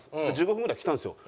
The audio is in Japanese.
１５分ぐらいで来たんですよ。